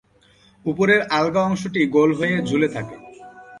উপরের আলগা অংশটি গোল হয়ে ঝুলে থাকে।